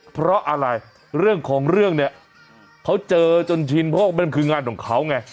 เพราะอะไรเรื่องของเรื่องเนี่ยเขาเจอจนชินเพราะมันคืองานของเขาไง